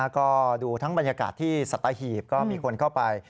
ก็ดูทั้งบรรยากาศที่สัตหีบก็มีคนเข้าไป